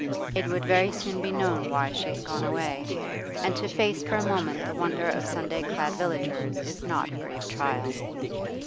It would very soon be known why she had gone away, and to face for a moment the wonder of Sunday clad villagers is not a grave trial.